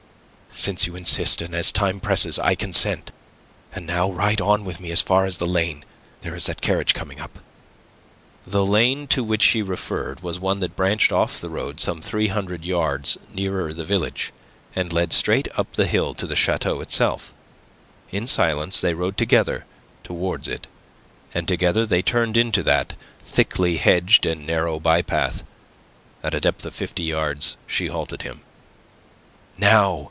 "Since you insist, and as time presses, I consent. And now ride on with me as far as the lane. There is that carriage coming up." The lane to which she referred was one that branched off the road some three hundred yards nearer the village and led straight up the hill to the chateau itself. In silence they rode together towards it, and together they turned into that thickly hedged and narrow bypath. At a depth of fifty yards she halted him. "Now!"